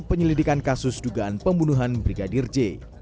penyelidikan kasus dugaan pembunuhan brigadir j